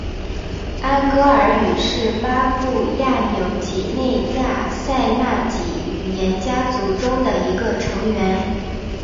安哥尔语是巴布亚纽几内亚赛纳几语言家族中的一个成员。